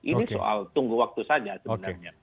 ini soal tunggu waktu saja sebenarnya